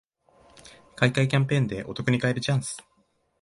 買い換えキャンペーンでお得に買えるチャンス